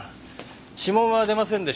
指紋は出ませんでした。